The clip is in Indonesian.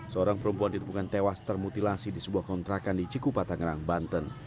seorang perempuan ditemukan tewas termutilasi di sebuah kontrakan di cikupa tangerang banten